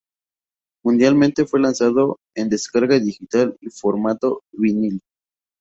Mundialmente fue lanzado en descarga digital y formato vinyl.